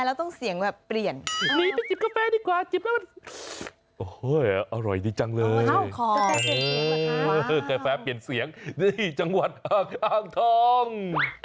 กาแฟเปลี่ยนเสียงในจังหวัดอ่างทอง